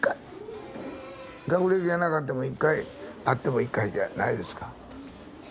学歴がなかっても１回あっても１回じゃないですか。